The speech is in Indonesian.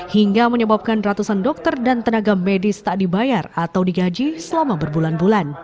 hingga menyebabkan ratusan dokter dan tenaga medis tak dibayar atau digaji selama berbulan bulan